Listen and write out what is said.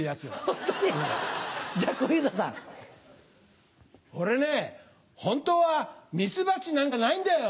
じゃ小遊三さん。俺ね本当はミツバチなんかじゃないんだよ。